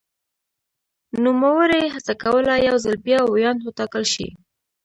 نوموړي هڅه کوله یو ځل بیا ویاند وټاکل شي.